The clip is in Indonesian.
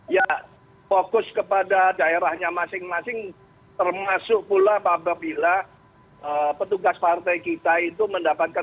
ya fokus kepada daerahnya masing masing termasuk pula apabila petugas partai kita itu mendapatkan